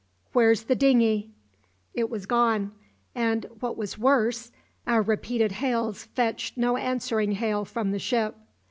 Where's the dinghy?" It was gone; and what was worse our repeated hails fetched no answering hail from the ship.